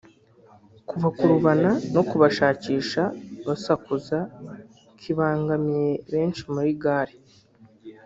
kubakurubana no kubashakisha basakuza kibangamiye benshi muri gare